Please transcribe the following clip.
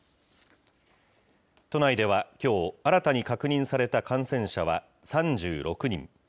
都内では、きょう新たに確認された感染者は３６人。